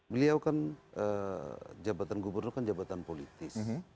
beliau kan jabatan gubernur kan jabatan politis